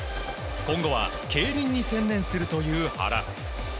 今後は競輪に専念するという原。